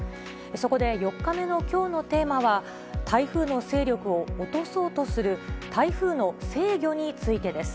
そこで、４日目のきょうのテーマは、台風の勢力を落とそうとする、台風の制御についてです。